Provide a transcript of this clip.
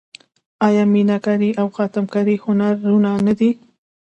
آیا میناکاري او خاتم کاري هنرونه نه دي؟